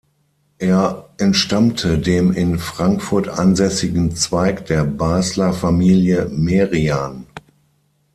Er entstammte dem in Frankfurt ansässigen Zweig der Basler Familie Merian.